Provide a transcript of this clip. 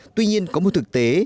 tuy nhiên có một thực tế